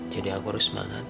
jadi aku harus semangat